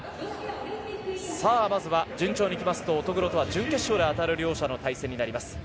まずは順調に行きますと乙黒とは準決勝で当たる両者の対戦になります。